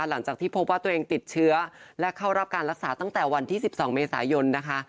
หลังจากที่พบว่าตัวเองติดเชื้อและเข้ารับการรักษาตั้งแต่วันที่๑๒เมษายนนะคะ